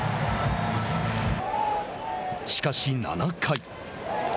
しかし７回。